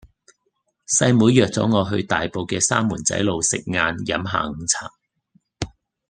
細妹約左我去大埔嘅三門仔路食晏飲下午茶